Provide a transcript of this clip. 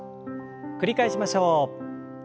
繰り返しましょう。